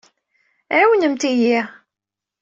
Ɛiwnemt-iyi.